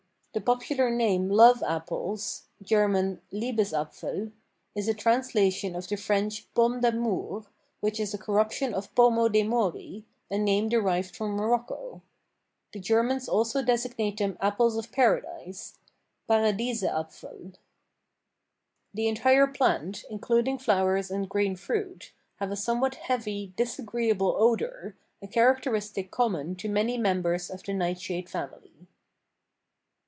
The popular name love apples (German Liebesæpfel) is a translation of the French pomme d'amour, which is a corruption of pomo dei Mori, a name derived from Morocco. The Germans also designate them apples of Paradise (Paradiesæpfel). The entire plant, including flowers and green fruit, have a somewhat heavy, disagreeable odor, a characteristic common to many members of the nightshade family.